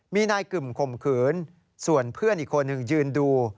มีนายกึ่มข่มขืนส่วนเพื่อนอีกคนหนึ่งยืนดู